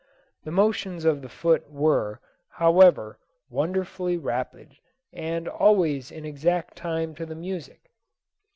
The motions of the foot were, however, wonderfully rapid, and always in exact time to the music.